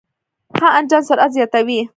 ښه انجن سرعت زیاتوي.